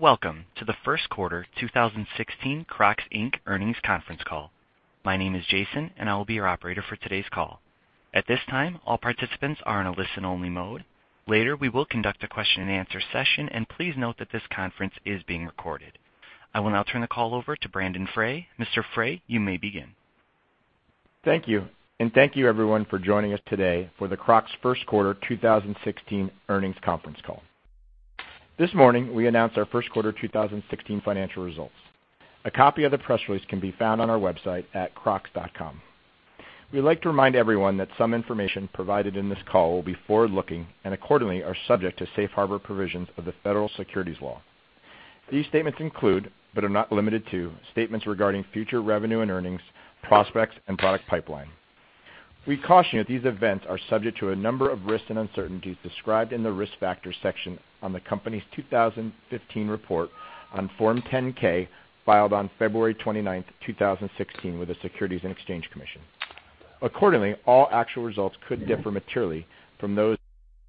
Welcome to the first quarter 2016 Crocs, Inc. earnings conference call. My name is Jason and I will be your operator for today's call. At this time, all participants are in a listen-only mode. Later, we will conduct a question and answer session, and please note that this conference is being recorded. I will now turn the call over to Brandon Frey. Mr. Frey, you may begin. Thank you, and thank you, everyone, for joining us today for the Crocs first quarter 2016 earnings conference call. This morning, we announced our first quarter 2016 financial results. A copy of the press release can be found on our website at crocs.com. We'd like to remind everyone that some information provided in this call will be forward-looking and accordingly are subject to Safe Harbor provisions of the Federal Securities law. These statements include, but are not limited to, statements regarding future revenue and earnings, prospects, and product pipeline. We caution you that these events are subject to a number of risks and uncertainties described in the Risk Factors section on the company's 2015 report on Form 10-K, filed on February 29th, 2016, with the Securities and Exchange Commission. Accordingly, all actual results could differ materially from those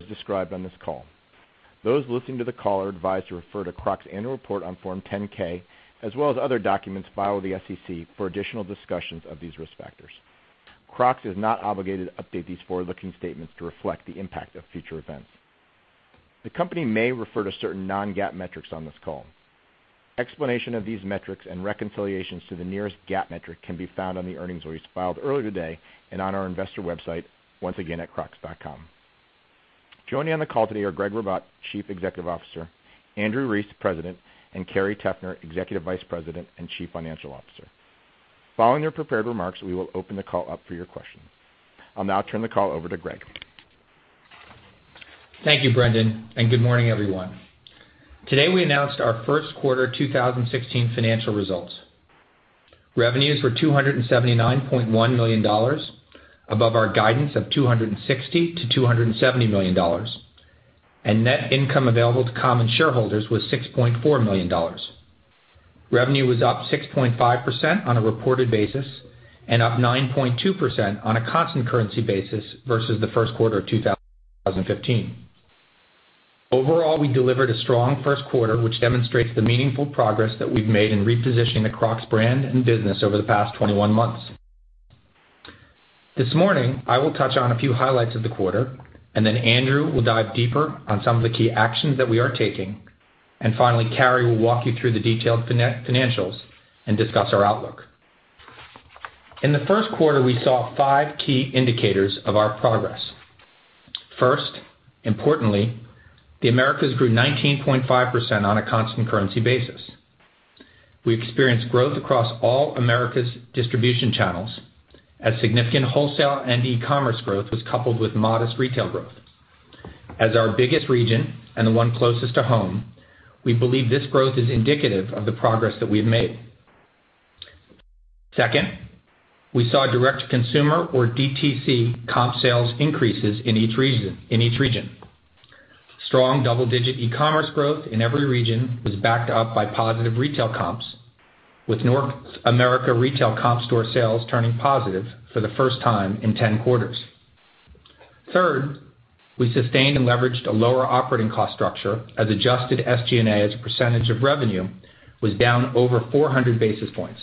described on this call. Those listening to the call are advised to refer to Crocs' annual report on Form 10-K, as well as other documents filed with the SEC for additional discussions of these risk factors. Crocs is not obligated to update these forward-looking statements to reflect the impact of future events. The company may refer to certain non-GAAP metrics on this call. Explanation of these metrics and reconciliations to the nearest GAAP metric can be found on the earnings release filed earlier today and on our investor website, once again at crocs.com. Joining on the call today are Gregg Ribatt, Chief Executive Officer, Andrew Rees, President, and Carrie Teffner, Executive Vice President and Chief Financial Officer. Following their prepared remarks, we will open the call up for your questions. I'll now turn the call over to Gregg. Thank you, Brandon, and good morning, everyone. Today, we announced our first quarter 2016 financial results. Revenues were $279.1 million, above our guidance of $260 million-$270 million, and net income available to common shareholders was $6.4 million. Revenue was up 6.5% on a reported basis and up 9.2% on a constant currency basis versus the first quarter of 2015. Overall, we delivered a strong first quarter, which demonstrates the meaningful progress that we've made in repositioning the Crocs brand and business over the past 21 months. This morning, I will touch on a few highlights of the quarter, and then Andrew will dive deeper on some of the key actions that we are taking. Finally, Carrie will walk you through the detailed financials and discuss our outlook. In the first quarter, we saw five key indicators of our progress. First, importantly, the Americas grew 19.5% on a constant currency basis. We experienced growth across all Americas distribution channels as significant wholesale and e-commerce growth was coupled with modest retail growth. As our biggest region and the one closest to home, we believe this growth is indicative of the progress that we've made. Second, we saw direct-to-consumer, or DTC, comp sales increases in each region. Strong double-digit e-commerce growth in every region was backed up by positive retail comps with North America retail comp store sales turning positive for the first time in 10 quarters. Third, we sustained and leveraged a lower operating cost structure as adjusted SG&A as a percentage of revenue was down over 400 basis points.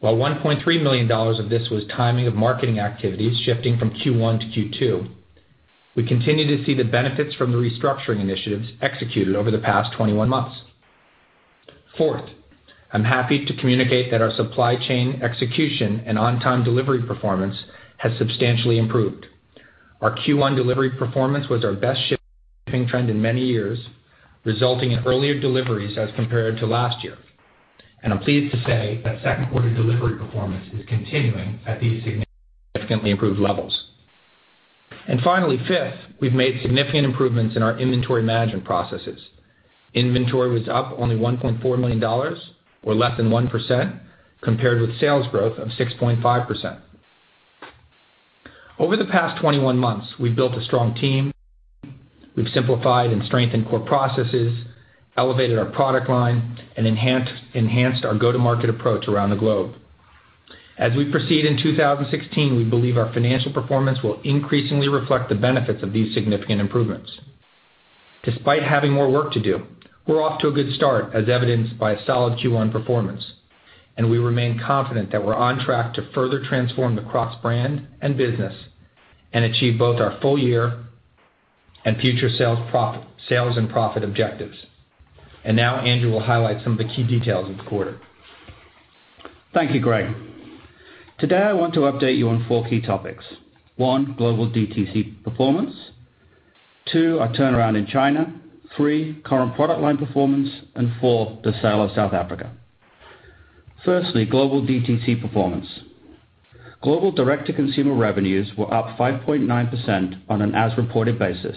While $1.3 million of this was timing of marketing activities shifting from Q1 to Q2, we continue to see the benefits from the restructuring initiatives executed over the past 21 months. Fourth, I'm happy to communicate that our supply chain execution and on-time delivery performance has substantially improved. Our Q1 delivery performance was our best shipping trend in many years, resulting in earlier deliveries as compared to last year. I'm pleased to say that second quarter delivery performance is continuing at these significantly improved levels. Finally, fifth, we've made significant improvements in our inventory management processes. Inventory was up only $1.4 million or less than 1%, compared with sales growth of 6.5%. Over the past 21 months, we've built a strong team, we've simplified and strengthened core processes, elevated our product line, and enhanced our go-to-market approach around the globe. As we proceed in 2016, we believe our financial performance will increasingly reflect the benefits of these significant improvements. Despite having more work to do, we're off to a good start, as evidenced by a solid Q1 performance, and we remain confident that we're on track to further transform the Crocs brand and business and achieve both our full year and future sales and profit objectives. Now Andrew will highlight some of the key details of the quarter. Thank you, Gregg. Today, I want to update you on four key topics. One, global DTC performance. Two, our turnaround in China. Three, current product line performance. Four, the sale of South Africa. Firstly, global DTC performance. Global direct-to-consumer revenues were up 5.9% on an as-reported basis,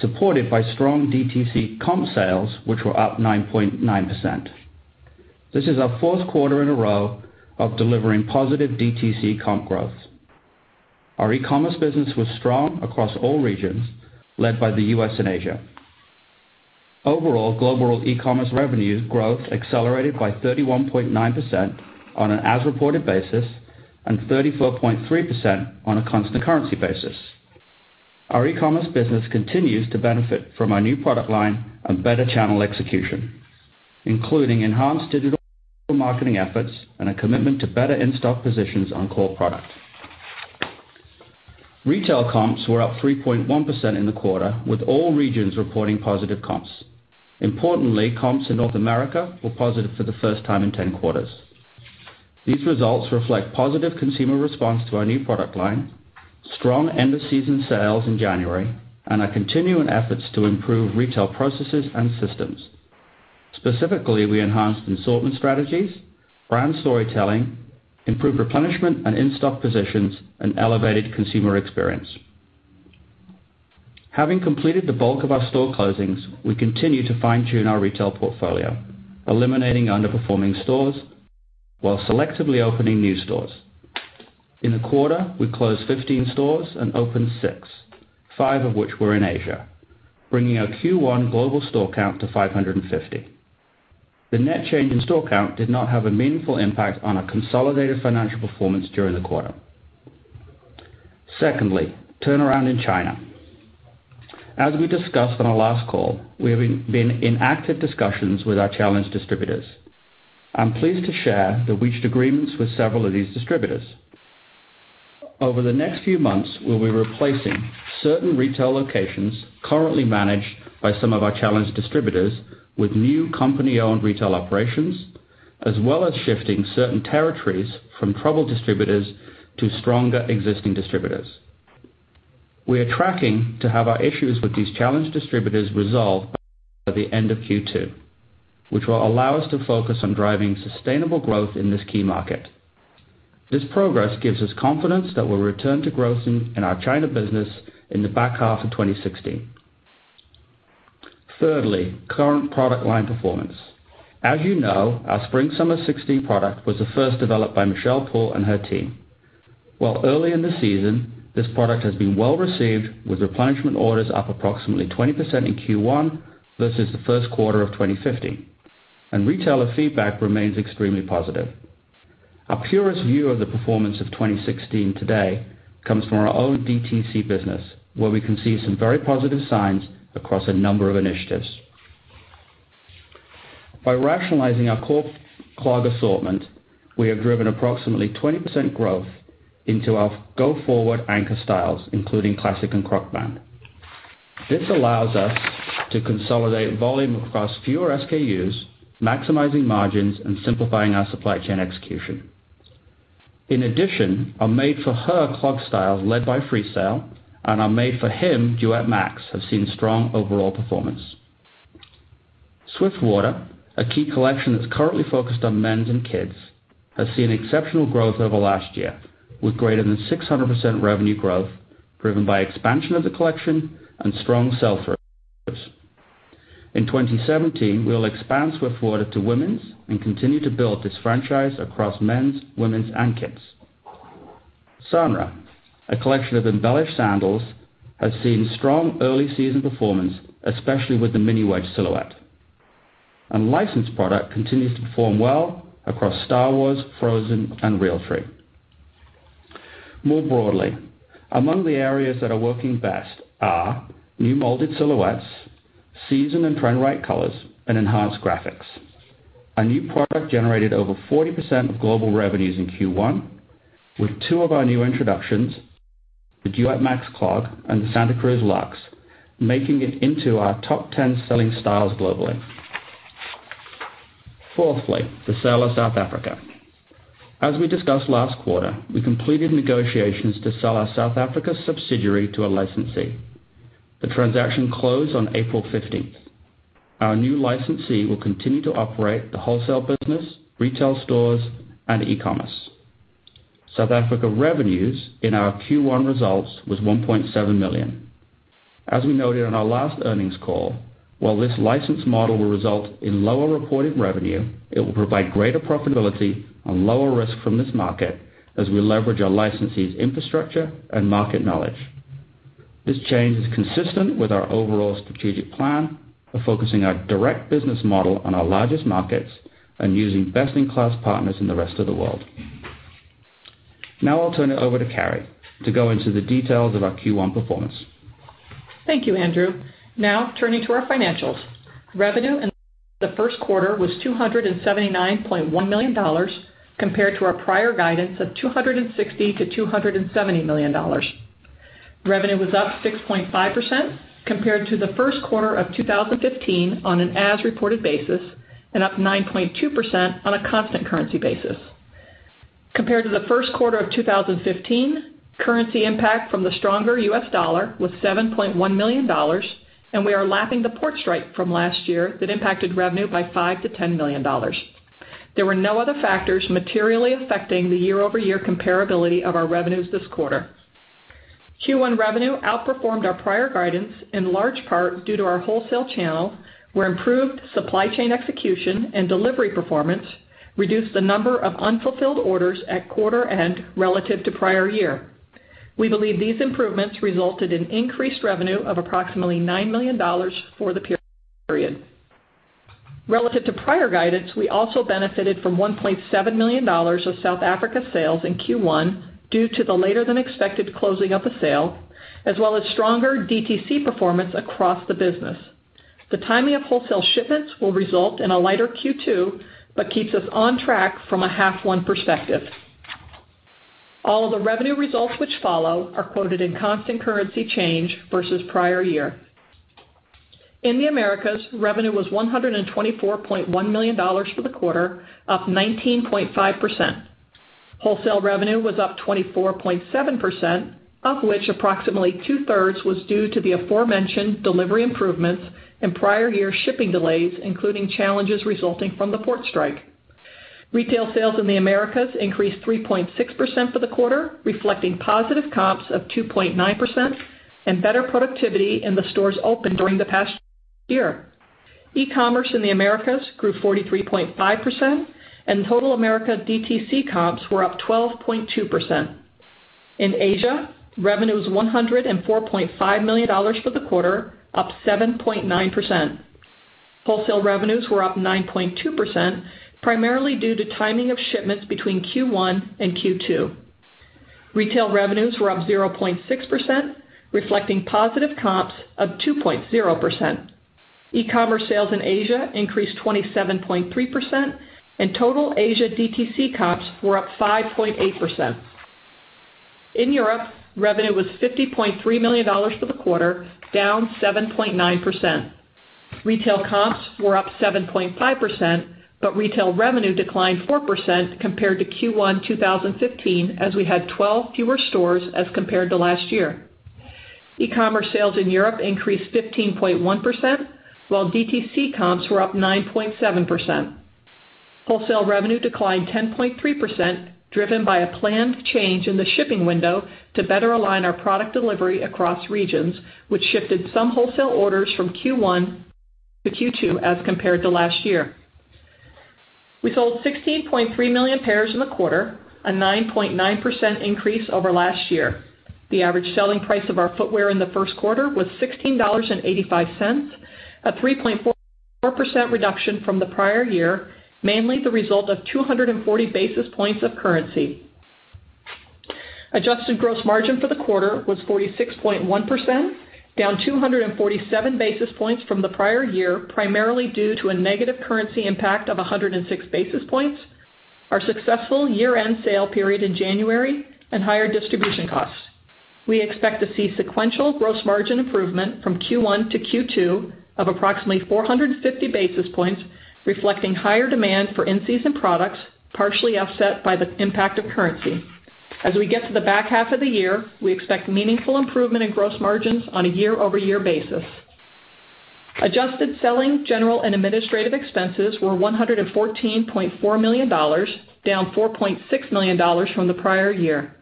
supported by strong DTC comp sales, which were up 9.9%. This is our fourth quarter in a row of delivering positive DTC comp growth. Our e-commerce business was strong across all regions, led by the U.S. and Asia. Overall, global e-commerce revenue growth accelerated by 31.9% on an as-reported basis and 34.3% on a constant currency basis. Our e-commerce business continues to benefit from our new product line and better channel execution, including enhanced digital marketing efforts and a commitment to better in-stock positions on core product. Retail comps were up 3.1% in the quarter, with all regions reporting positive comps. Importantly, comps in North America were positive for the first time in 10 quarters. These results reflect positive consumer response to our new product line, strong end-of-season sales in January, and our continuing efforts to improve retail processes and systems. Specifically, we enhanced assortment strategies, brand storytelling, improved replenishment and in-stock positions, and elevated consumer experience. Having completed the bulk of our store closings, we continue to fine-tune our retail portfolio, eliminating underperforming stores while selectively opening new stores. In the quarter, we closed 15 stores and opened six, five of which were in Asia, bringing our Q1 global store count to 550. The net change in store count did not have a meaningful impact on our consolidated financial performance during the quarter. Secondly, turnaround in China. As we discussed on our last call, we have been in active discussions with our challenged distributors. I'm pleased to share that we've reached agreements with several of these distributors. Over the next few months, we'll be replacing certain retail locations currently managed by some of our challenged distributors with new company-owned retail operations, as well as shifting certain territories from troubled distributors to stronger existing distributors. We are tracking to have our issues with these challenged distributors resolved by the end of Q2, which will allow us to focus on driving sustainable growth in this key market. This progress gives us confidence that we'll return to growth in our China business in the back half of 2016. Thirdly, current product line performance. As you know, our spring/summer 2016 product was the first developed by Michelle Poole and her team. While early in the season, this product has been well-received with replenishment orders up approximately 20% in Q1 versus the first quarter of 2015, and retailer feedback remains extremely positive. Our purest view of the performance of 2016 today comes from our own DTC business, where we can see some very positive signs across a number of initiatives. By rationalizing our core clog assortment, we have driven approximately 20% growth into our go-forward anchor styles, including Classic and Crocband. This allows us to consolidate volume across fewer SKUs, maximizing margins and simplifying our supply chain execution. In addition, our made for her clog styles led by Freesail and our made for him Duet Max have seen strong overall performance. Swiftwater, a key collection that's currently focused on men's and kids', has seen exceptional growth over last year, with greater than 600% revenue growth, driven by expansion of the collection and strong sell-through. In 2017, we'll expand Swiftwater to women's and continue to build this franchise across men's, women's, and kids'. Isabella, a collection of embellished sandals, has seen strong early season performance, especially with the mini wedge silhouette. And licensed product continues to perform well across Star Wars, Frozen, and Realtree. More broadly, among the areas that are working best are new molded silhouettes, season and trend-right colors, and enhanced graphics. Our new product generated over 40% of global revenues in Q1, with two of our new introductions, the Duet Max Clog and the Santa Cruz Luxe, making it into our top 10 selling styles globally. Fourthly, the sale of South Africa. As we discussed last quarter, we completed negotiations to sell our South Africa subsidiary to a licensee. The transaction closed on April 15th. Our new licensee will continue to operate the wholesale business, retail stores, and e-commerce. South Africa revenues in our Q1 results was $1.7 million. As we noted on our last earnings call, while this license model will result in lower reported revenue, it will provide greater profitability and lower risk from this market as we leverage our licensee's infrastructure and market knowledge. This change is consistent with our overall strategic plan of focusing our direct business model on our largest markets and using best-in-class partners in the rest of the world. I'll turn it over to Carrie to go into the details of our Q1 performance. Thank you, Andrew. Turning to our financials. Revenue in the first quarter was $279.1 million, compared to our prior guidance of $260 million-$270 million. Revenue was up 6.5% compared to the first quarter of 2015 on an as-reported basis and up 9.2% on a constant currency basis. Compared to the first quarter of 2015, currency impact from the stronger U.S. dollar was $7.1 million, and we are lapping the port strike from last year that impacted revenue by $5 million-$10 million. There were no other factors materially affecting the year-over-year comparability of our revenues this quarter. Q1 revenue outperformed our prior guidance in large part due to our wholesale channel, where improved supply chain execution and delivery performance reduced the number of unfulfilled orders at quarter end relative to prior year. We believe these improvements resulted in increased revenue of approximately $9 million for the period. Relative to prior guidance, we also benefited from $1.7 million of South Africa sales in Q1 due to the later than expected closing of a sale, as well as stronger DTC performance across the business. The timing of wholesale shipments will result in a lighter Q2, but keeps us on track from a half-one perspective. All of the revenue results which follow are quoted in constant currency change versus prior year. In the Americas, revenue was $124.1 million for the quarter, up 19.5%. Wholesale revenue was up 24.7%, of which approximately two-thirds was due to the aforementioned delivery improvements and prior year shipping delays, including challenges resulting from the port strike. Retail sales in the Americas increased 3.6% for the quarter, reflecting positive comps of 2.9% and better productivity in the stores open during the past year. E-commerce in the Americas grew 43.5%. Total America DTC comps were up 12.2%. In Asia, revenue was $104.5 million for the quarter, up 7.9%. Wholesale revenues were up 9.2%, primarily due to timing of shipments between Q1 and Q2. Retail revenues were up 0.6%, reflecting positive comps of 2.0%. E-commerce sales in Asia increased 27.3%. Total Asia DTC comps were up 5.8%. In Europe, revenue was $50.3 million for the quarter, down 7.9%. Retail comps were up 7.5%. Retail revenue declined 4% compared to Q1 2015, as we had 12 fewer stores as compared to last year. E-commerce sales in Europe increased 15.1%, while DTC comps were up 9.7%. Wholesale revenue declined 10.3%, driven by a planned change in the shipping window to better align our product delivery across regions, which shifted some wholesale orders from Q1 to Q2 as compared to last year. We sold 16.3 million pairs in the quarter, a 9.9% increase over last year. The average selling price of our footwear in the first quarter was $16.85, a 3.4% reduction from the prior year, mainly the result of 240 basis points of currency. Adjusted gross margin for the quarter was 46.1%, down 247 basis points from the prior year, primarily due to a negative currency impact of 106 basis points, our successful year-end sale period in January and higher distribution costs. We expect to see sequential gross margin improvement from Q1 to Q2 of approximately 450 basis points, reflecting higher demand for in-season products, partially offset by the impact of currency. As we get to the back half of the year, we expect meaningful improvement in gross margins on a year-over-year basis. Adjusted selling general and administrative expenses were $114.4 million, down $4.6 million from the prior year.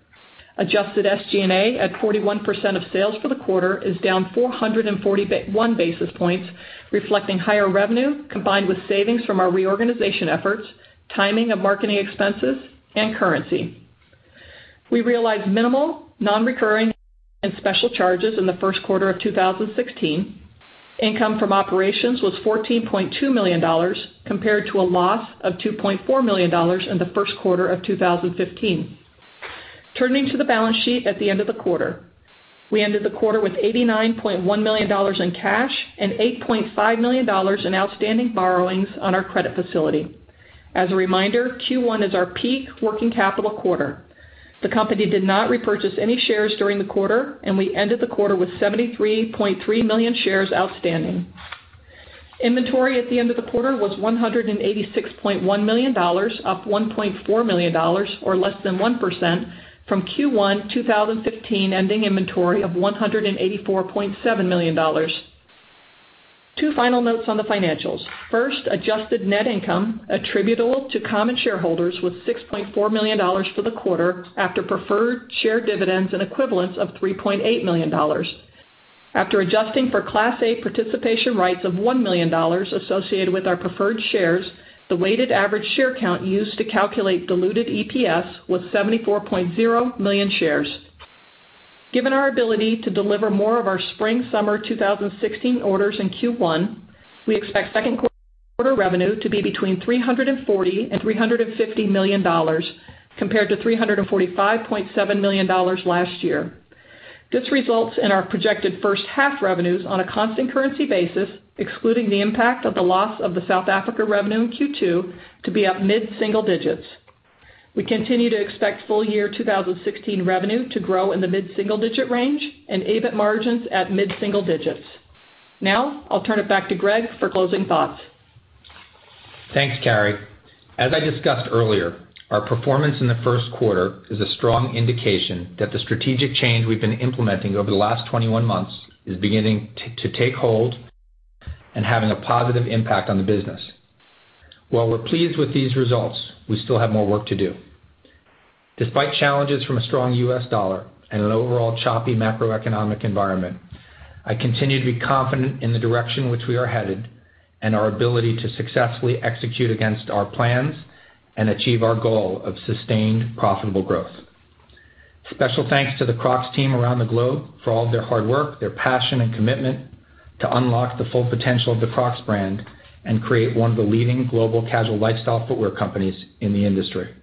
Adjusted SG&A at 41% of sales for the quarter is down 441 basis points, reflecting higher revenue combined with savings from our reorganization efforts, timing of marketing expenses, and currency. We realized minimal non-recurring and special charges in the first quarter of 2016. Income from operations was $14.2 million, compared to a loss of $2.4 million in the first quarter of 2015. Turning to the balance sheet at the end of the quarter. We ended the quarter with $89.1 million in cash and $8.5 million in outstanding borrowings on our credit facility. As a reminder, Q1 is our peak working capital quarter. The company did not repurchase any shares during the quarter, and we ended the quarter with 73.3 million shares outstanding. Inventory at the end of the quarter was $186.1 million, up $1.4 million, or less than 1%, from Q1 2015 ending inventory of $184.7 million. Two final notes on the financials. First, adjusted net income attributable to common shareholders was $6.4 million for the quarter after preferred share dividends and equivalents of $3.8 million. After adjusting for Class A participation rights of $1 million associated with our preferred shares, the weighted average share count used to calculate diluted EPS was 74.0 million shares. Given our ability to deliver more of our spring-summer 2016 orders in Q1, we expect second quarter revenue to be between $340 and $350 million, compared to $345.7 million last year. This results in our projected first half revenues on a constant currency basis, excluding the impact of the loss of the South Africa revenue in Q2, to be up mid-single digits. We continue to expect full year 2016 revenue to grow in the mid-single-digit range and EBIT margins at mid-single digits. I'll turn it back to Gregg for closing thoughts. Thanks, Carrie. As I discussed earlier, our performance in the first quarter is a strong indication that the strategic change we've been implementing over the last 21 months is beginning to take hold and having a positive impact on the business. While we're pleased with these results, we still have more work to do. Despite challenges from a strong U.S. dollar and an overall choppy macroeconomic environment, I continue to be confident in the direction which we are headed and our ability to successfully execute against our plans and achieve our goal of sustained profitable growth. Special thanks to the Crocs team around the globe for all of their hard work, their passion and commitment to unlock the full potential of the Crocs brand and create one of the leading global casual lifestyle footwear companies in the industry.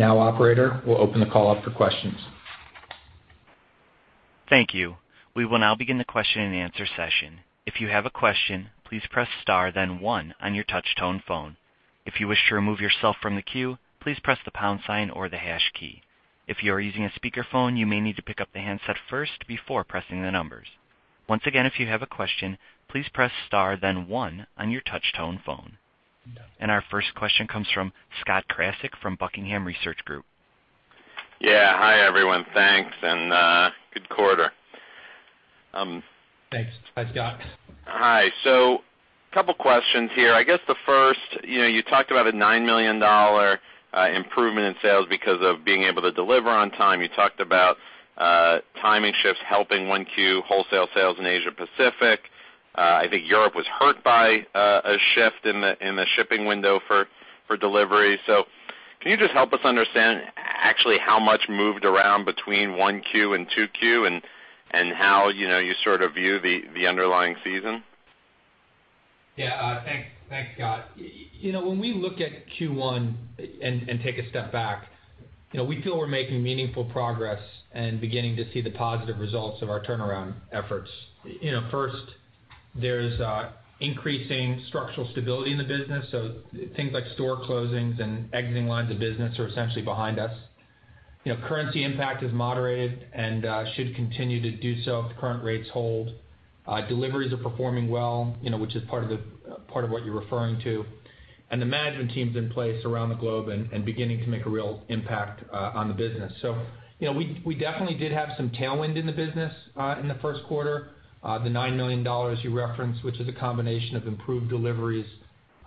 Operator, we'll open the call up for questions. Thank you. We will now begin the question and answer session. If you have a question, please press star then one on your touch tone phone. If you wish to remove yourself from the queue, please press the pound sign or the hash key. If you are using a speakerphone, you may need to pick up the handset first before pressing the numbers. Once again, if you have a question, please press star then one on your touch tone phone. Our first question comes from Scott Krasik from Buckingham Research Group. Yeah. Hi, everyone. Thanks, good quarter. Thanks. Hi, Scott. Hi. A couple questions here. I guess the first, you talked about a $9 million improvement in sales because of being able to deliver on time. You talked about timing shifts helping one Q wholesale sales in Asia Pacific. I think Europe was hurt by a shift in the shipping window for delivery. Can you just help us understand actually how much moved around between one Q and two Q and how you sort of view the underlying season? Yeah. Thanks, Scott. When we look at Q1 and take a step back, we feel we're making meaningful progress and beginning to see the positive results of our turnaround efforts. First, there is increasing structural stability in the business, so things like store closings and exiting lines of business are essentially behind us. Currency impact is moderated and should continue to do so if the current rates hold. Deliveries are performing well, which is part of what you're referring to. The management team's in place around the globe and beginning to make a real impact on the business. We definitely did have some tailwind in the business in the first quarter. The $9 million you referenced, which is a combination of improved deliveries,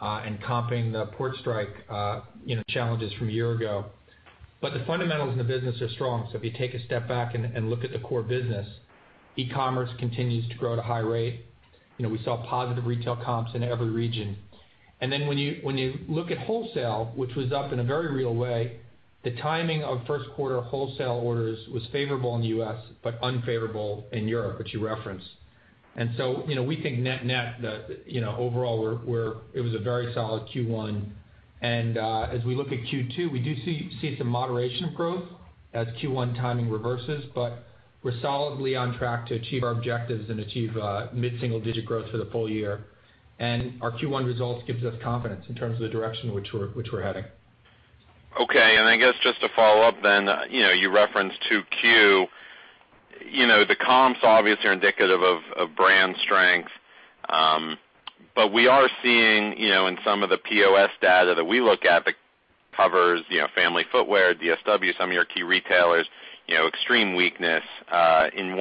and comping the port strike challenges from a year ago. The fundamentals in the business are strong. If you take a step back and look at the core business, e-commerce continues to grow at a high rate. We saw positive retail comps in every region. When you look at wholesale, which was up in a very real way, the timing of first quarter wholesale orders was favorable in the U.S., but unfavorable in Europe, which you referenced. We think net net, overall, it was a very solid Q1. As we look at Q2, we do see some moderation of growth as Q1 timing reverses, but we're solidly on track to achieve our objectives and achieve mid-single digit growth for the full year. Our Q1 results gives us confidence in terms of the direction in which we're heading. Okay. I guess just to follow up then, you referenced 2Q. The comps obviously are indicative of brand strength. We are seeing, in some of the POS data that we look at that covers Famous Footwear, DSW, some of your key retailers, extreme weakness, in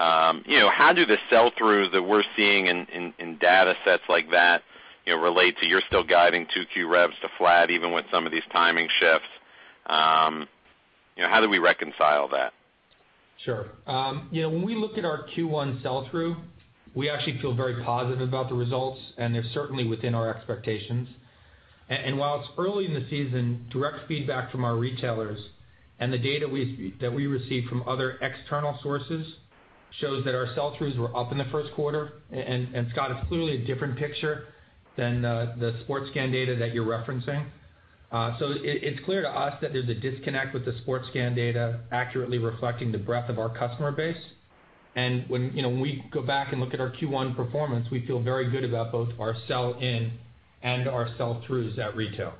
1Q. How do the sell-throughs that we're seeing in data sets like that relate to, you're still guiding 2Q revs to flat, even with some of these timing shifts. How do we reconcile that? Sure. When we look at our Q1 sell-through, we actually feel very positive about the results, and they're certainly within our expectations. While it's early in the season, direct feedback from our retailers and the data that we receive from other external sources shows that our sell-throughs were up in the first quarter. Scott, it's clearly a different picture than the SportScan data that you're referencing. It's clear to us that there's a disconnect with the SportScan data accurately reflecting the breadth of our customer base. When we go back and look at our Q1 performance, we feel very good about both our sell-in and our sell-throughs at retail.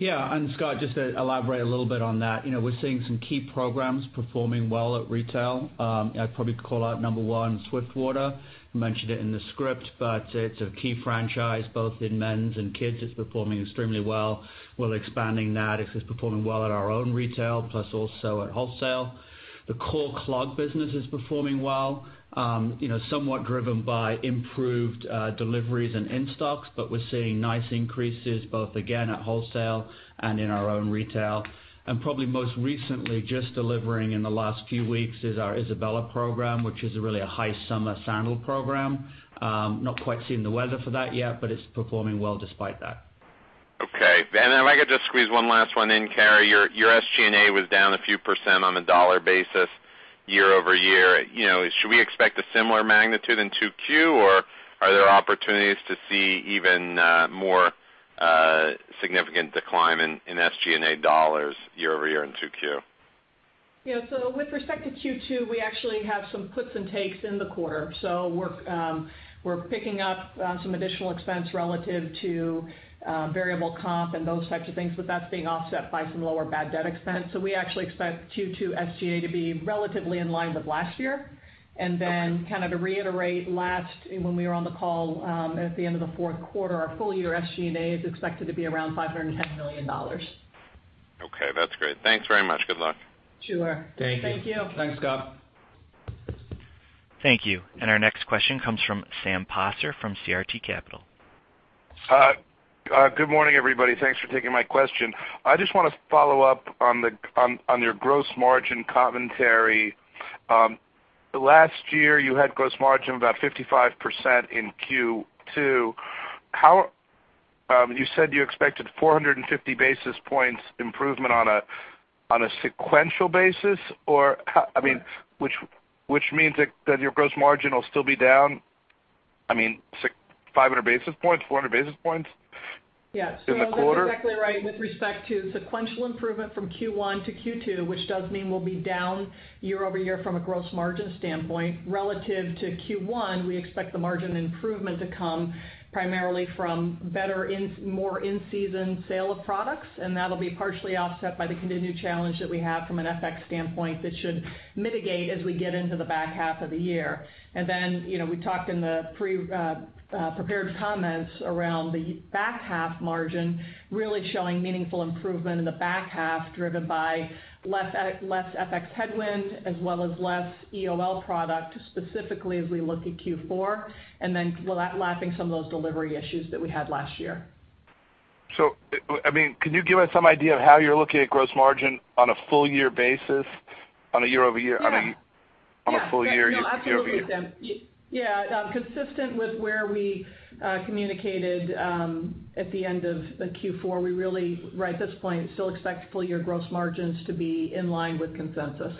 Yeah. Scott, just to elaborate a little bit on that. We're seeing some key programs performing well at retail. I'd probably call out number 1, Swiftwater. We mentioned it in the script, it's a key franchise both in men's and kids'. It's performing extremely well. We're expanding that. It's performing well at our own retail plus also at wholesale. The core clog business is performing well. Somewhat driven by improved deliveries and in-stocks, we're seeing nice increases both, again, at wholesale and in our own retail. Probably most recently, just delivering in the last few weeks is our Isabella program, which is really a high summer sandal program. Not quite seeing the weather for that yet, it's performing well despite that. Okay. If I could just squeeze one last one in, Carrie. Your SG&A was down a few % on the dollar basis year-over-year. Should we expect a similar magnitude in 2Q, or are there opportunities to see even more significant decline in SG&A dollars year-over-year in 2Q? Yeah. With respect to Q2, we actually have some puts and takes in the quarter. We're picking up some additional expense relative to variable comp and those types of things, that's being offset by some lower bad debt expense. We actually expect Q2 SGA to be relatively in line with last year. Okay. Kind of to reiterate last, when we were on the call at the end of the fourth quarter, our full year SG&A is expected to be around $510 million. Okay, that's great. Thanks very much. Good luck. Sure. Thank you. Thank you. Thanks, Scott. Thank you. Our next question comes from Sam Poser from CRT Capital. Good morning, everybody. Thanks for taking my question. I just want to follow up on your gross margin commentary. Last year, you had gross margin about 55% in Q2. You said you expected 450 basis points improvement on a sequential basis? Which means that your gross margin will still be down, 500 basis points, 400 basis points in the quarter? Yes. No, that's exactly right with respect to sequential improvement from Q1 to Q2, which does mean we'll be down year-over-year from a gross margin standpoint. Relative to Q1, we expect the margin improvement to come primarily from better, more in-season sale of products, and that'll be partially offset by the continued challenge that we have from an FX standpoint that should mitigate as we get into the back half of the year. We talked in the pre-prepared comments around the back half margin really showing meaningful improvement in the back half, driven by less FX headwind, as well as less EOL product, specifically as we look at Q4, lapping some of those delivery issues that we had last year. Can you give us some idea of how you're looking at gross margin on a full year basis, on a year-over-year- Yeah. On a full year-over-year? No, absolutely, Sam. Yeah. Consistent with where we communicated, at the end of the Q4, we really, right at this point, still expect full year gross margins to be in line with consensus.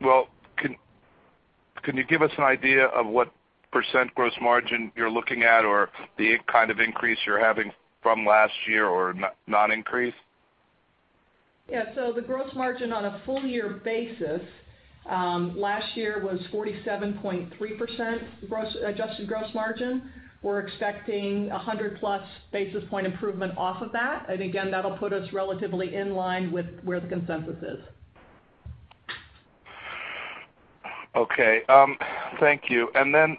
Well, can you give us an idea of what % gross margin you're looking at or the kind of increase you're having from last year or not increase? Yeah. The gross margin on a full year basis, last year was 47.3% adjusted gross margin. We're expecting 100 plus basis point improvement off of that. Again, that'll put us relatively in line with where the consensus is. Thank you. Then,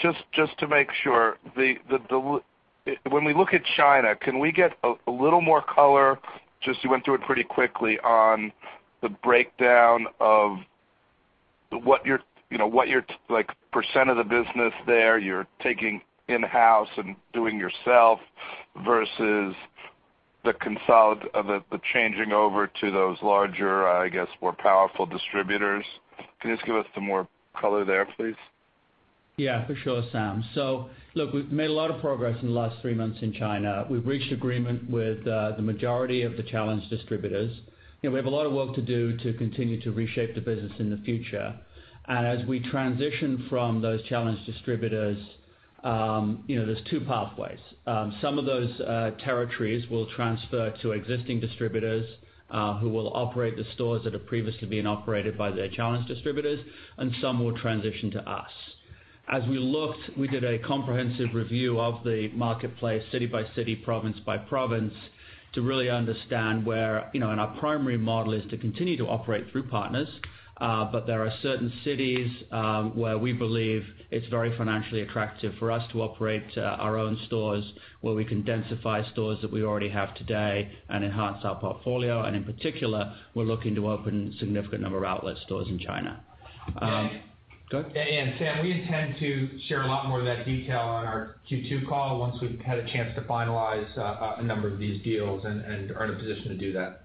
just to make sure, when we look at China, can we get a little more color, just you went through it pretty quickly, on the breakdown of what your % of the business there you're taking in-house and doing yourself versus the changing over to those larger, I guess, more powerful distributors. Can you just give us some more color there, please? Yeah, for sure, Sam. Look, we've made a lot of progress in the last 3 months in China. We've reached agreement with the majority of the challenged distributors. We have a lot of work to do to continue to reshape the business in the future. As we transition from those challenged distributors, there's 2 pathways. Some of those territories will transfer to existing distributors, who will operate the stores that have previously been operated by their challenged distributors, and some will transition to us. As we looked, we did a comprehensive review of the marketplace city by city, province by province to really understand and our primary model is to continue to operate through partners. There are certain cities, where we believe it's very financially attractive for us to operate our own stores, where we can densify stores that we already have today and enhance our portfolio. In particular, we're looking to open significant number of outlet stores in China. Go ahead. Sam, we intend to share a lot more of that detail on our Q2 call once we've had a chance to finalize a number of these deals and are in a position to do that.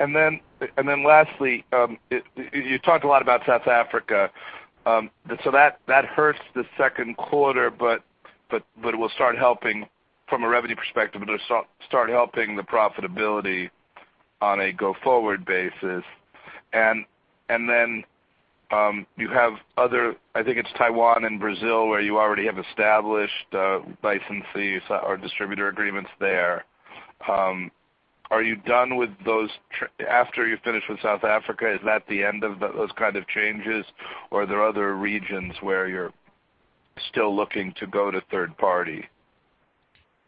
Lastly, you talked a lot about South Africa. That hurts the second quarter, but will start helping from a revenue perspective, and start helping the profitability on a go-forward basis. You have other, I think it's Taiwan and Brazil, where you already have established licensees or distributor agreements there. Are you done with those after you're finished with South Africa, is that the end of those kind of changes, or are there other regions where you're still looking to go to third party?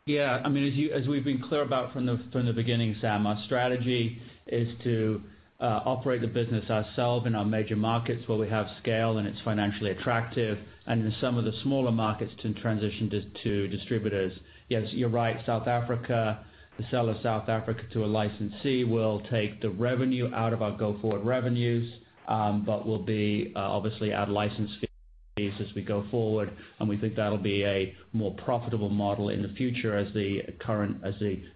Yeah. As we've been clear about from the beginning, Sam, our strategy is to operate the business ourselves in our major markets where we have scale and it's financially attractive, and in some of the smaller markets to transition to distributors. Yes, you're right. South Africa, the sale of South Africa to a licensee will take the revenue out of our go-forward revenues, but we'll obviously add license fees as we go forward, and we think that'll be a more profitable model in the future as the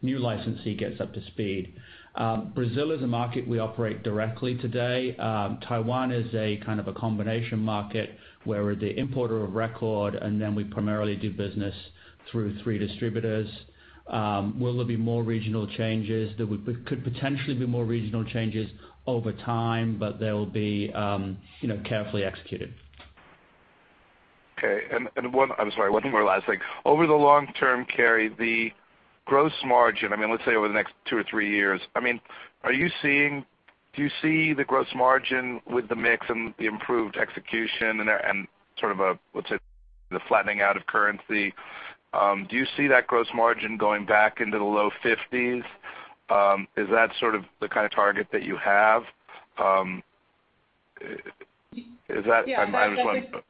new licensee gets up to speed. Brazil is a market we operate directly today. Taiwan is a kind of a combination market where we're the importer of record, and we primarily do business through three distributors. Will there be more regional changes? There could potentially be more regional changes over time, but they'll be carefully executed. Okay. One, I'm sorry, one more last thing. Over the long term, Carrie, the gross margin, let's say over the next 2 or 3 years. Do you see the gross margin with the mix and the improved execution and sort of, let's say, the flattening out of currency, do you see that gross margin going back into the low 50s? Is that sort of the kind of target that you have? I just want.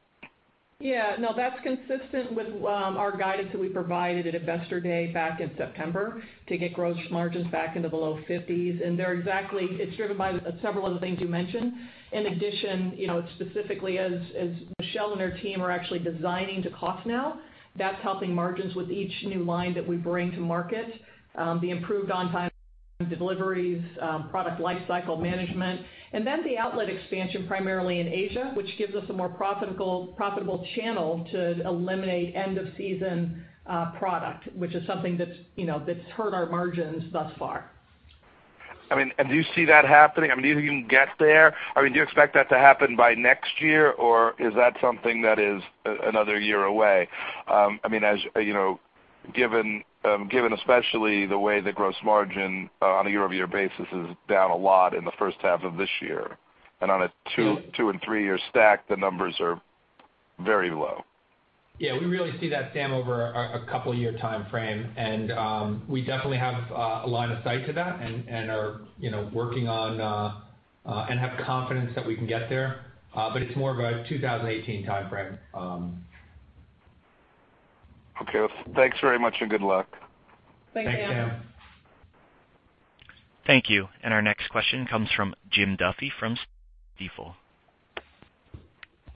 No, that's consistent with our guidance that we provided at Investor Day back in September to get gross margins back into the low 50s. They're exactly, it's driven by several of the things you mentioned. In addition, specifically as Michelle and her team are actually designing to cost now, that's helping margins with each new line that we bring to market. The improved on time deliveries, product life cycle management, and the outlet expansion primarily in Asia, which gives us a more profitable channel to eliminate end-of-season product, which is something that's hurt our margins thus far. Do you see that happening? Do you think you can get there? Do you expect that to happen by next year, or is that something that is another year away? Given especially the way the gross margin on a year-over-year basis is down a lot in the first half of this year, and on a two and three-year stack, the numbers are very low. We really see that, Sam, over a couple year timeframe. We definitely have a line of sight to that and are working on and have confidence that we can get there. It's more of a 2018 timeframe. Thanks very much, and good luck. Thanks, Sam. Thanks, Sam. Thank you. Our next question comes from Jim Duffy from Stifel.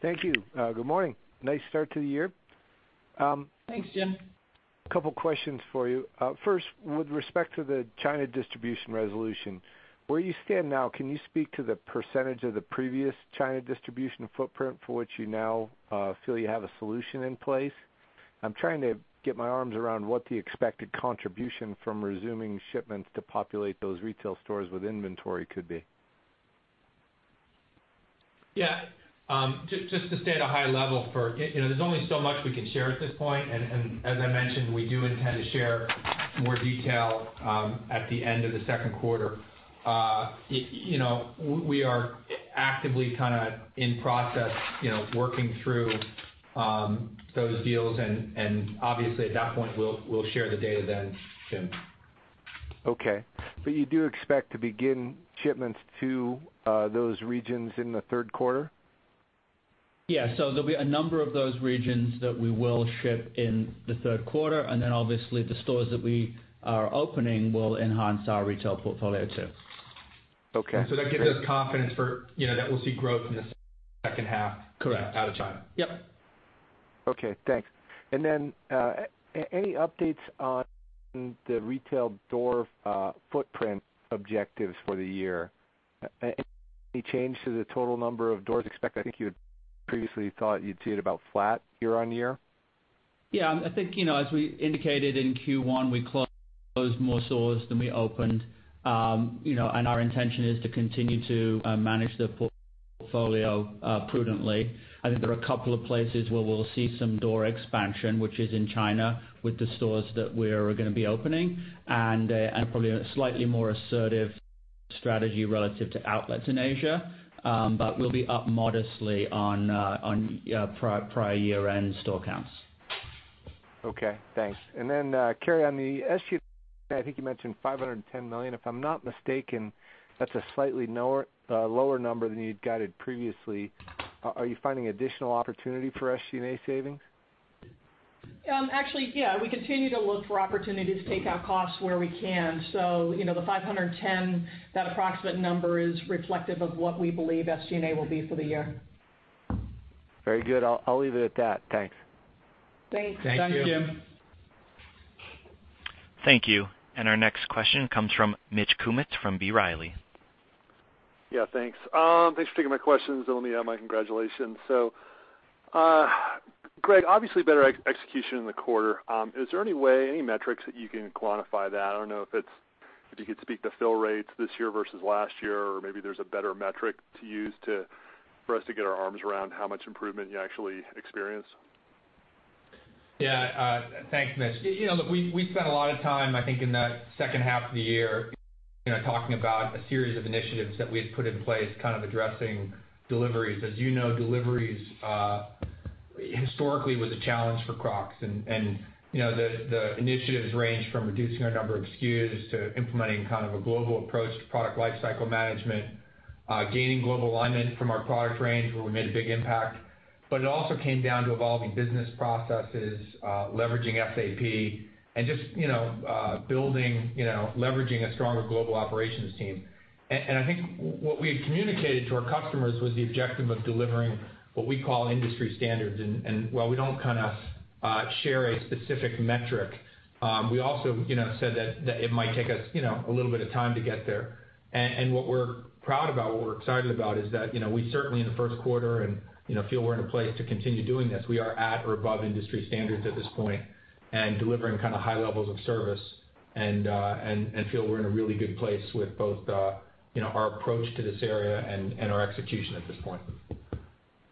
Thank you. Good morning. Nice start to the year. Thanks, Jim. A couple questions for you. First, with respect to the China distribution resolution, where you stand now, can you speak to the percentage of the previous China distribution footprint for which you now feel you have a solution in place? I'm trying to get my arms around what the expected contribution from resuming shipments to populate those retail stores with inventory could be. Yeah. Just to stay at a high level, there's only so much we can share at this point, and as I mentioned, we do intend to share more detail at the end of the second quarter. We are actively in process, working through those deals and obviously at that point, we'll share the data then, Jim. Okay. You do expect to begin shipments to those regions in the third quarter? Yeah. There'll be a number of those regions that we will ship in the third quarter, and then obviously the stores that we are opening will enhance our retail portfolio too. Okay. That gives us confidence that we'll see growth in the second half- Correct out of China. Yep. Okay, thanks. Any updates on the retail door footprint objectives for the year? Any change to the total number of doors expected? I think you had previously thought you'd see it about flat year-on-year. Yeah, I think, as we indicated in Q1, we closed more stores than we opened. Our intention is to continue to manage the portfolio prudently. I think there are a couple of places where we'll see some door expansion, which is in China with the stores that we're going to be opening, and probably a slightly more assertive strategy relative to outlets in Asia. We'll be up modestly on prior year-end store counts. Okay, thanks. Carrie, on the SG&A, I think you mentioned $510 million. If I'm not mistaken, that's a slightly lower number than you'd guided previously. Are you finding additional opportunity for SG&A savings? Actually, yeah. We continue to look for opportunities to take out costs where we can. The $510, that approximate number is reflective of what we believe SG&A will be for the year. Very good. I'll leave it at that. Thanks. Thanks. Thank you. Thank you, Jim. Thank you. Our next question comes from Mitch Kummetz from B. Riley. Yeah, thanks. Thanks for taking my questions, and let me add my congratulations. Gregg, obviously better execution in the quarter. Is there any way, any metrics that you can quantify that? I don't know if you could speak to fill rates this year versus last year, or maybe there's a better metric to use for us to get our arms around how much improvement you actually experienced. Yeah. Thanks, Mitch. Look, we spent a lot of time, I think, in that second half of the year talking about a series of initiatives that we had put in place kind of addressing deliveries. As you know, deliveries historically was a challenge for Crocs and the initiatives range from reducing our number of SKUs to implementing kind of a global approach to product life cycle management, gaining global alignment from our product range where we made a big impact. It also came down to evolving business processes, leveraging SAP and just leveraging a stronger global operations team. I think what we had communicated to our customers was the objective of delivering what we call industry standards. While we don't share a specific metric, we also said that it might take us a little bit of time to get there. What we're proud about, what we're excited about is that, we certainly in the first quarter and feel we're in a place to continue doing this. We are at or above industry standards at this point and delivering kind of high levels of service and feel we're in a really good place with both our approach to this area and our execution at this point.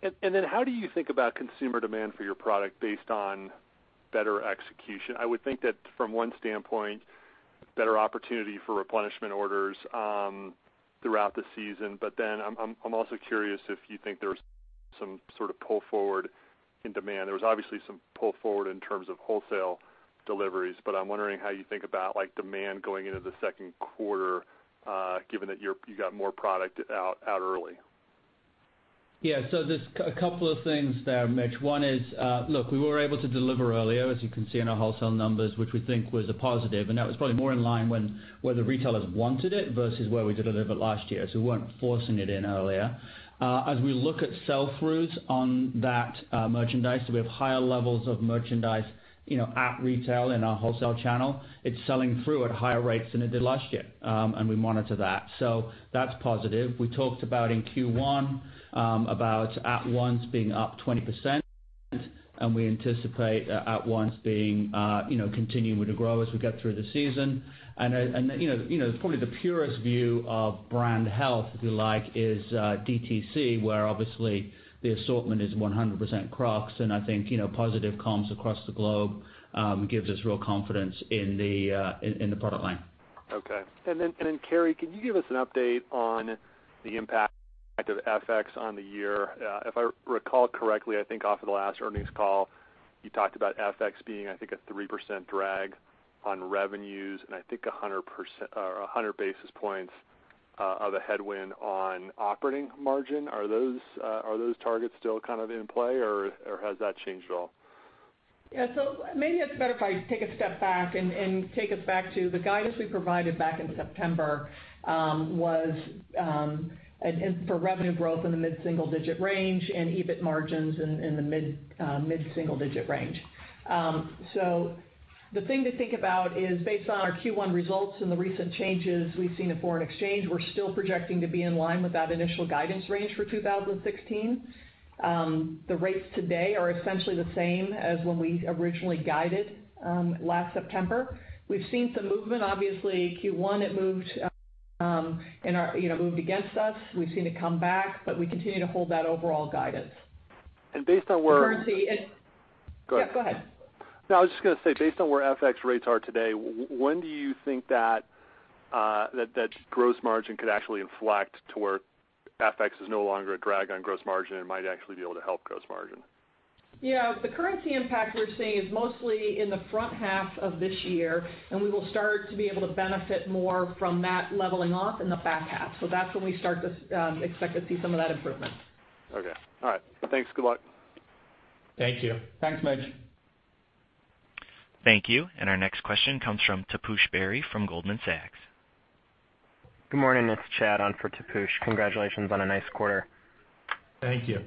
How do you think about consumer demand for your product based on better execution? I would think that from one standpoint, better opportunity for replenishment orders throughout the season, I'm also curious if you think there was some sort of pull forward in demand. There was obviously some pull forward in terms of wholesale deliveries, I'm wondering how you think about demand going into the second quarter given that you got more product out early. There's a couple of things there, Mitch. One is, look, we were able to deliver earlier, as you can see in our wholesale numbers, which we think was a positive, That was probably more in line with where the retailers wanted it versus where we delivered last year. We weren't forcing it in earlier. As we look at sell-throughs on that merchandise, we have higher levels of merchandise at retail in our wholesale channel. It's selling through at higher rates than it did last year. We monitor that. That's positive. We talked about in Q1 about at once being up 20%. We anticipate at once being, continuing to grow as we get through the season. Probably the purest view of brand health, if you like, is DTC, where obviously the assortment is 100% Crocs, and I think, positive comms across the globe gives us real confidence in the product line. Okay. Carrie, can you give us an update on the impact of FX on the year? If I recall correctly, I think off of the last earnings call, you talked about FX being, I think, a 3% drag on revenues and I think 100 basis points of a headwind on operating margin. Are those targets still kind of in play or has that changed at all? Yeah, maybe it's better if I take a step back and take us back to the guidance we provided back in September, was for revenue growth in the mid-single digit range and EBIT margins in the mid-single digit range. The thing to think about is based on our Q1 results and the recent changes we've seen in foreign exchange, we're still projecting to be in line with that initial guidance range for 2016. The rates today are essentially the same as when we originally guided, last September. We've seen some movement, obviously Q1 it moved against us. We've seen it come back, we continue to hold that overall guidance. Based on where- The currency it-- Go ahead. Yeah, go ahead. No, I was just going to say, based on where FX rates are today, when do you think that gross margin could actually inflect to where FX is no longer a drag on gross margin and might actually be able to help gross margin? Yeah. The currency impact we're seeing is mostly in the front half of this year, and we will start to be able to benefit more from that leveling off in the back half. That's when we expect to see some of that improvement. Okay. All right. Thanks. Good luck. Thank you. Thanks, Mitch. Thank you. Our next question comes from Taposh Bari from Goldman Sachs. Good morning, it's Chad on for Taposh. Congratulations on a nice quarter. Thank you.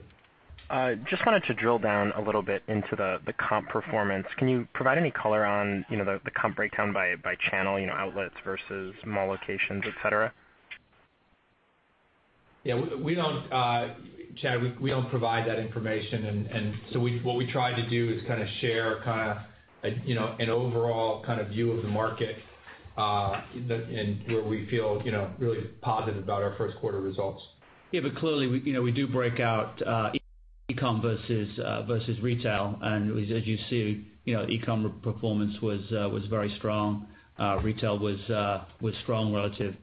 Just wanted to drill down a little bit into the comp performance. Can you provide any color on the comp breakdown by channel, outlets versus mall locations, et cetera? Yeah, Chad, we don't provide that information. What we try to do is kind of share an overall kind of view of the market, and where we feel really positive about our first quarter results. Yeah, clearly, we do break out e-com versus retail. As you see, e-com performance was very strong. Retail was strong relative.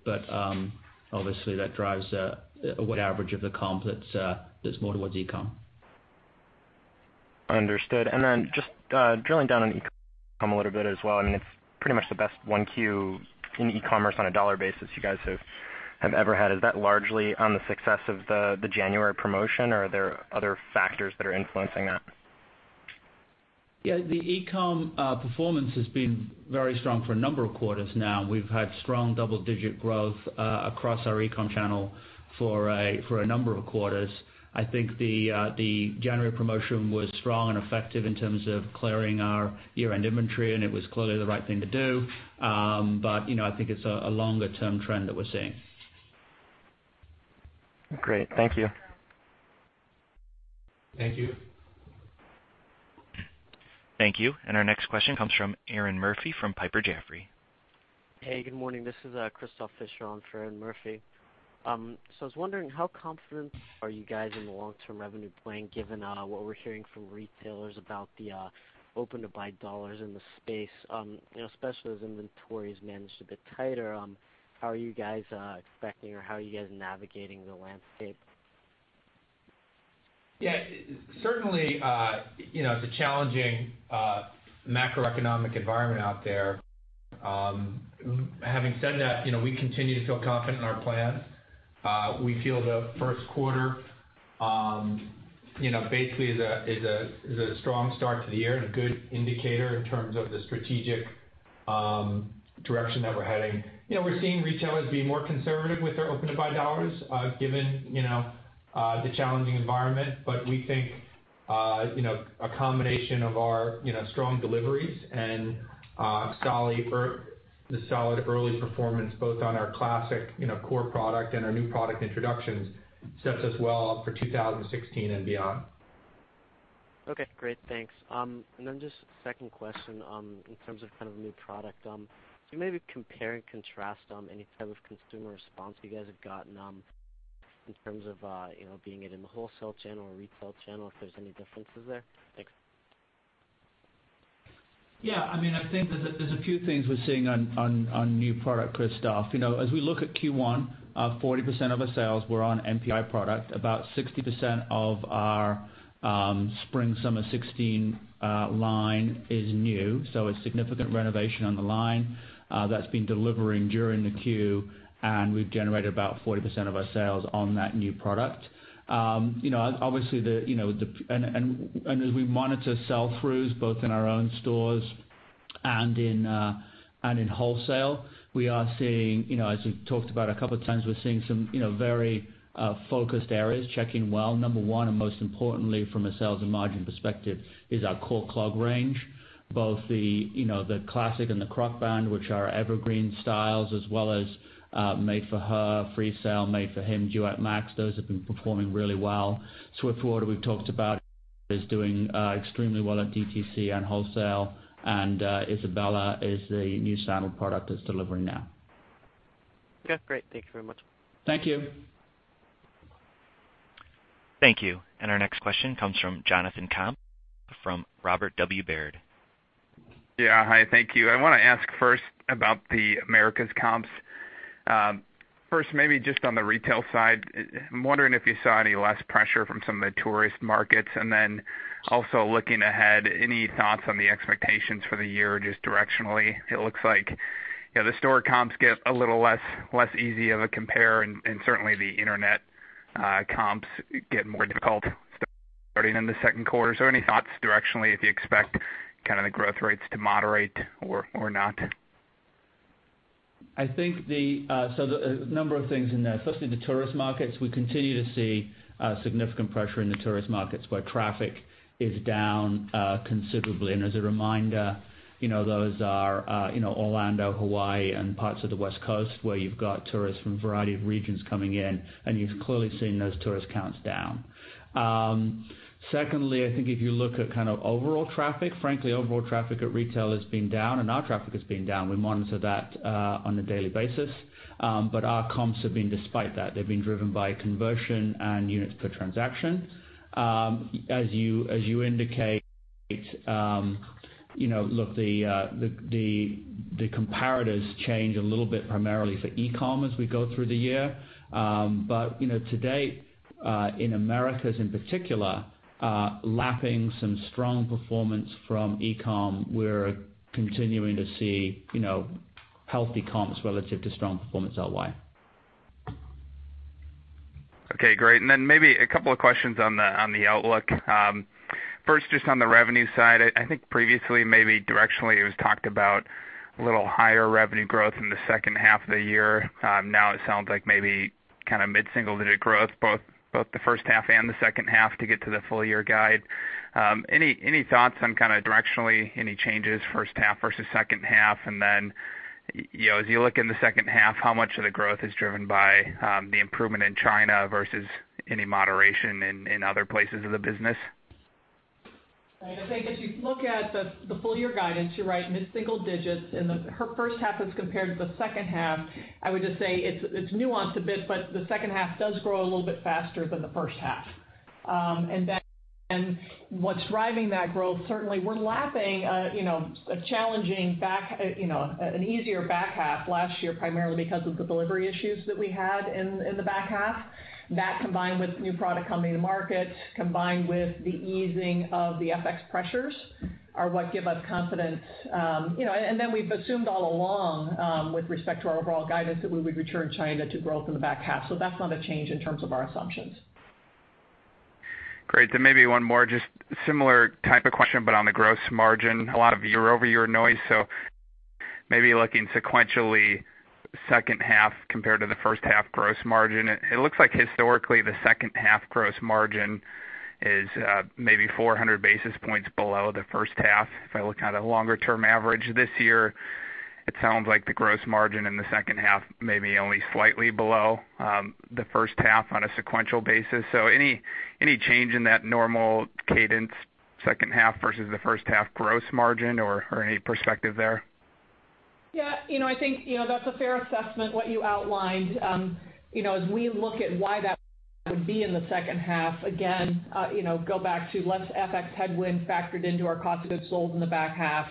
Obviously, that drives a weighted average of the comp that's more towards e-com. Understood. Just drilling down on e-com a little bit as well, it's pretty much the best one Q in e-commerce on a $ basis you guys have ever had. Is that largely on the success of the January promotion or are there other factors that are influencing that? Yeah, the e-com performance has been very strong for a number of quarters now. We've had strong double-digit growth across our e-com channel for a number of quarters. I think the January promotion was strong and effective in terms of clearing our year-end inventory. It was clearly the right thing to do. I think it's a longer-term trend that we're seeing. Great. Thank you. Thank you. Thank you. Our next question comes from Erinn Murphy from Piper Jaffray. Hey, good morning. This is Christof Fischer on for Erinn Murphy. I was wondering, how confident are you guys in the long-term revenue plan given what we're hearing from retailers about the open-to-buy dollars in the space? Especially as inventory is managed a bit tighter, how are you guys expecting, or how are you guys navigating the landscape? Certainly, it's a challenging macroeconomic environment out there. Having said that, we continue to feel confident in our plans. We feel the first quarter basically is a strong start to the year and a good indicator in terms of the strategic direction that we're heading. We're seeing retailers be more conservative with their open-to-buy dollars, given the challenging environment. We think a combination of our strong deliveries and the solid early performance both on our Classic core product and our new product introductions sets us well up for 2016 and beyond. Okay, great. Thanks. Then just a second question, in terms of kind of new product. Can you maybe compare and contrast on any type of consumer response you guys have gotten in terms of being it in the wholesale channel or retail channel, if there's any differences there? Thanks. Yeah, I think that there's a few things we're seeing on new product, Christof. As we look at Q1, 40% of our sales were on NPI product. About 60% of our spring/summer 2016 line is new. A significant renovation on the line that's been delivering during the Q, and we've generated about 40% of our sales on that new product. As we monitor sell-throughs, both in our own stores and in wholesale, as we've talked about a couple of times, we're seeing some very focused areas checking well. Number 1, and most importantly from a sales and margin perspective, is our core clog range. Both the Classic and the Crocband, which are evergreen styles, as well as Made for Her, Freesail, Made for Him, Duet Max, those have been performing really well. Swiftwater, we've talked about, is doing extremely well at DTC and wholesale. Isabella is the new sandal product that's delivering now. Okay, great. Thank you very much. Thank you. Thank you. Our next question comes from Jonathan Komp from Robert W. Baird. Yeah. Hi, thank you. I want to ask first about the Americas comps. First, maybe just on the retail side, I'm wondering if you saw any less pressure from some of the tourist markets. Also looking ahead, any thoughts on the expectations for the year, just directionally? It looks like the store comps get a little less easy of a compare, and certainly the internet comps get more difficult starting in the second quarter. Any thoughts directionally if you expect the growth rates to moderate or not? A number of things in there. Firstly, the tourist markets. We continue to see significant pressure in the tourist markets where traffic is down considerably. As a reminder, those are Orlando, Hawaii, and parts of the West Coast where you've got tourists from a variety of regions coming in, and you've clearly seen those tourist counts down. Secondly, I think if you look at overall traffic, frankly, overall traffic at retail has been down and our traffic has been down. We monitor that on a daily basis. Our comps have been despite that. They've been driven by conversion and units per transaction. As you indicate, look, the comparators change a little bit primarily for e-com as we go through the year. To date, in Americas in particular, lapping some strong performance from e-com, we're continuing to see healthy comps relative to strong performance LY. Okay, great. Maybe a couple of questions on the outlook. First, just on the revenue side, I think previously, maybe directionally, it was talked about a little higher revenue growth in the second half of the year. Now it sounds like maybe mid-single digit growth, both the first half and the second half to get to the full year guide. Any thoughts on directionally, any changes first half versus second half? Then, as you look in the second half, how much of the growth is driven by the improvement in China versus any moderation in other places of the business? I think as you look at the full year guidance, you're right, mid-single digits. The first half as compared to the second half, I would just say it's nuanced a bit, the second half does grow a little bit faster than the first half. What's driving that growth, certainly we're lapping an easier back half last year, primarily because of the delivery issues that we had in the back half. That combined with new product coming to market, combined with the easing of the FX pressures are what give us confidence. We've assumed all along, with respect to our overall guidance, that we would return China to growth in the back half. That's not a change in terms of our assumptions. Great. Maybe one more, just similar type of question, on the gross margin. A lot of year-over-year noise, maybe looking sequentially second half compared to the first half gross margin. It looks like historically the second half gross margin is maybe 400 basis points below the first half. If I look at a longer-term average this year, it sounds like the gross margin in the second half may be only slightly below the first half on a sequential basis. Any change in that normal cadence second half versus the first half gross margin or any perspective there? Yeah, I think that's a fair assessment what you outlined. As we look at why that would be in the second half, again, go back to less FX headwind factored into our cost of goods sold in the back half,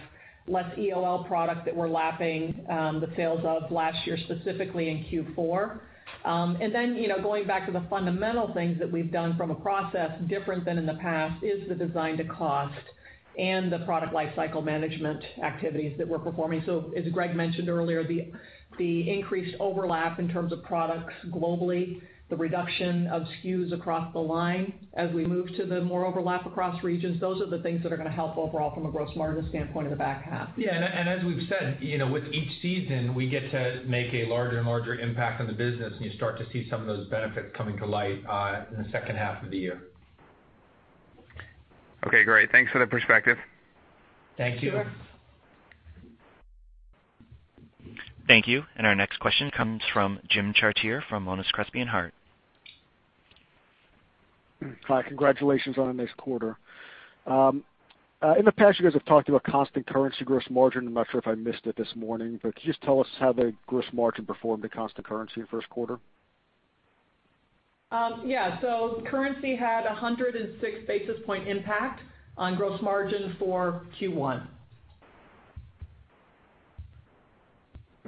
less EOL product that we're lapping the sales of last year, specifically in Q4. Going back to the fundamental things that we've done from a process different than in the past is the design to cost and the product life cycle management activities that we're performing. As Gregg mentioned earlier, the increased overlap in terms of products globally, the reduction of SKUs across the line as we move to the more overlap across regions, those are the things that are going to help overall from a gross margin standpoint in the back half. Yeah, as we've said, with each season, we get to make a larger and larger impact on the business, and you start to see some of those benefits coming to light in the second half of the year. Okay, great. Thanks for the perspective. Thank you. Sure. Thank you. Our next question comes from Jim Chartier from Monness, Crespi and Hardt. Hi, congratulations on a nice quarter. In the past, you guys have talked about constant currency gross margin. I'm not sure if I missed it this morning, but could you just tell us how the gross margin performed at constant currency first quarter? Yeah. Currency had 106 basis point impact on gross margin for Q1.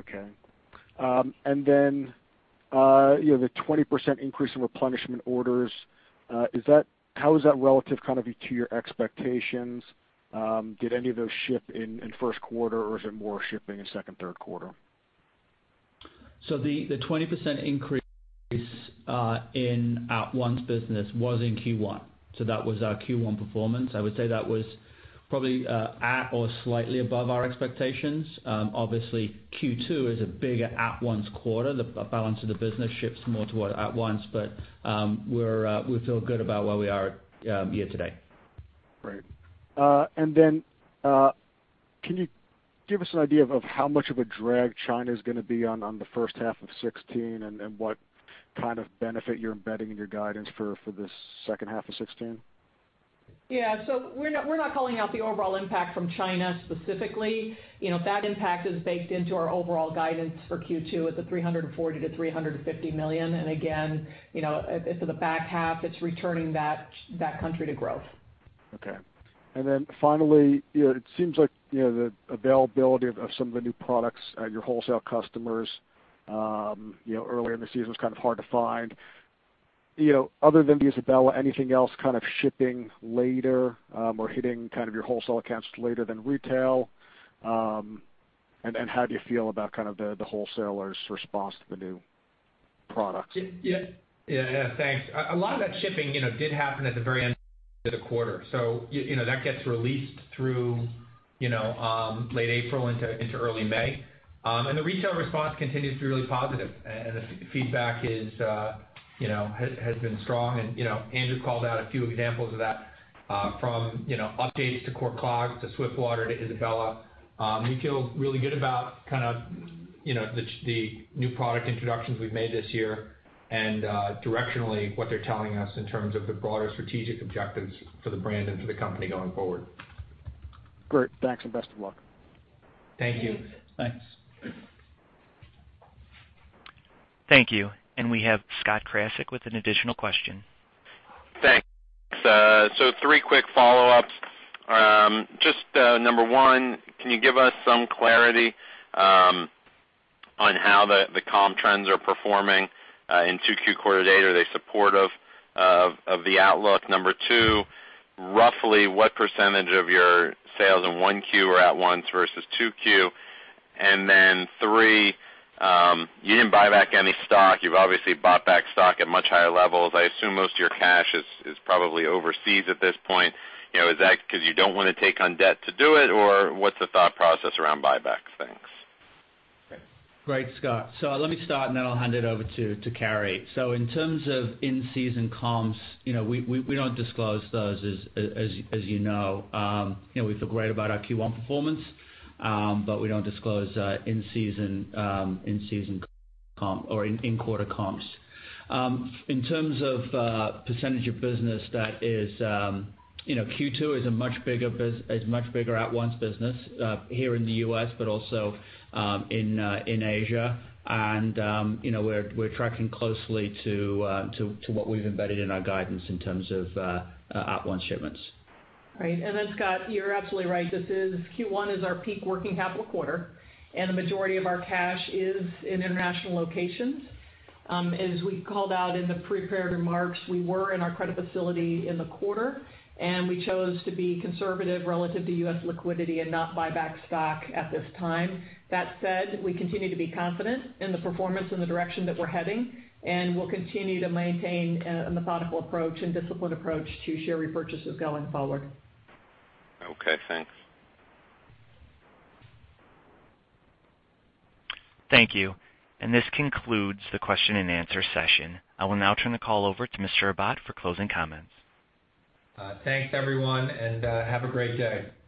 Okay. The 20% increase in replenishment orders, how is that relative to your expectations? Did any of those ship in first quarter, or is it more shipping in second, third quarter? The 20% increase in at-once business was in Q1, so that was our Q1 performance. I would say that was probably at or slightly above our expectations. Obviously, Q2 is a bigger at-once quarter. The balance of the business ships more to at-once, but we feel good about where we are here today. Can you give us an idea of how much of a drag China's going to be on the first half of 2016, and what kind of benefit you're embedding in your guidance for the second half of 2016? We're not calling out the overall impact from China specifically. That impact is baked into our overall guidance for Q2 at the $340 million-$350 million. Again, for the back half, it's returning that country to growth. Finally, it seems like the availability of some of the new products at your wholesale customers earlier in the season was kind of hard to find. Other than the Isabella, anything else kind of shipping later or hitting your wholesale accounts later than retail? How do you feel about the wholesalers' response to the new products? A lot of that shipping did happen at the very end of the quarter. That gets released through late April into early May. The retail response continues to be really positive, and the feedback has been strong. Andrew called out a few examples of that from updates to core Crocs to Swiftwater to Isabella. We feel really good about the new product introductions we've made this year and directionally what they're telling us in terms of the broader strategic objectives for the brand and for the company going forward. Great. Thanks, and best of luck. Thank you. Thanks. Thank you. We have Scott Krasik with an additional question. Thanks. Three quick follow-ups. Just number one, can you give us some clarity on how the comp trends are performing in 2Q quarter to date? Are they supportive of the outlook? Number 2, roughly what percentage of your sales in 1Q were at-once versus 2Q? Then 3, you didn't buy back any stock. You've obviously bought back stock at much higher levels. I assume most of your cash is probably overseas at this point. Is that because you don't want to take on debt to do it, or what's the thought process around buybacks? Thanks. Great, Scott. Let me start, and then I'll hand it over to Carrie. In terms of in-season comps, we don't disclose those as you know. We feel great about our Q1 performance, but we don't disclose in-quarter comps. In terms of percentage of business, Q2 is a much bigger at-once business here in the U.S., but also in Asia. We're tracking closely to what we've embedded in our guidance in terms of at-once shipments. Right. Scott, you're absolutely right. Q1 is our peak working capital quarter, and the majority of our cash is in international locations. As we called out in the prepared remarks, we were in our credit facility in the quarter, we chose to be conservative relative to U.S. liquidity and not buy back stock at this time. That said, we continue to be confident in the performance and the direction that we're heading, we'll continue to maintain a methodical approach and disciplined approach to share repurchases going forward. Okay, thanks. Thank you. This concludes the question and answer session. I will now turn the call over to Mr. Ribatt for closing comments. Thanks, everyone, and have a great day.